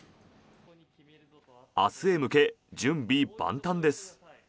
明日へ向け準備万端です。